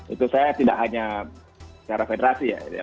itu saya tidak hanya secara federasi ya